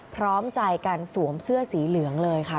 พร้อมใจกันสวมเสื้อสีเหลืองเลยค่ะ